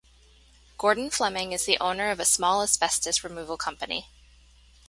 Gordon Fleming is the owner of a small asbestos removal company.